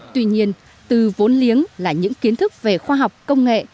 tuy nhiên từ vốn liếng là những kiến thức về khoa học công nghệ